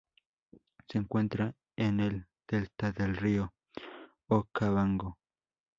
Se encuentra en el delta del río Okavango.